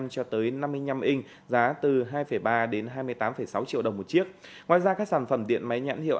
cho tới năm mươi năm inch giá từ hai ba đến hai mươi tám sáu triệu đồng một chiếc ngoài ra các sản phẩm điện máy nhãn hiệu